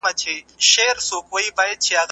زه غواړم نوی نمبر واخلم.